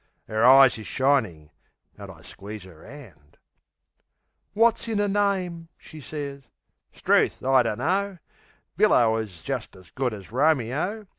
'Er eyes is shinin'; an' I squeeze 'er 'and. "Wot's in a name?" she sez. 'Struth, I dunno. Billo is just as good as Romeo.